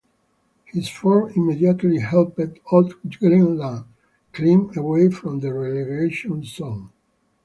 His form immediately helped Odd Grenland climb away from the relegation zone.